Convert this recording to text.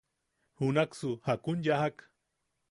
¿Junaksu jakun yajak?